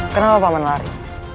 kenapa paman lari